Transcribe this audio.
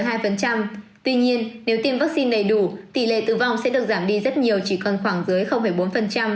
tuy nhiên nếu tiêm vaccine đầy đủ tỷ lệ tử vong sẽ được giảm đi rất nhiều chỉ còn khoảng dưới bốn